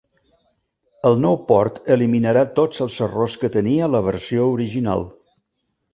El nou port eliminarà tots els errors que tenia la versió original.